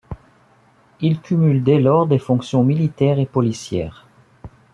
Il cumule dès lors des fonctions militaires et policières.